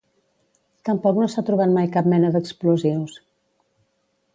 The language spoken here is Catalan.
Tampoc no s’ha trobat mai cap mena d’explosius.